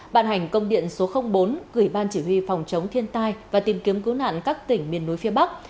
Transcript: bàn hành công điện số bốn gửi ban chỉ huy phòng chống thiên tai và tìm kiếm cứu nạn các tỉnh miền núi phía bắc